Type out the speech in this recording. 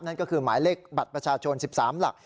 นั่นก็คือหมายเลขบัตรประชาชน๑๓หลัก